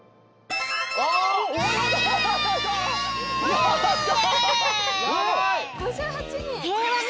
やった！